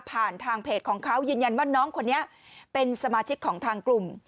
ผ่านทางเพจของเขายืนยันว่าน้องคนนี้เป็นสมาชิกของทางกลุ่ม